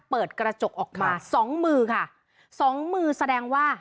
เปิดกระจกออกมาสองมือค่ะสองมือแสดงว่า